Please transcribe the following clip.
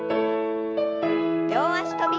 両脚跳び。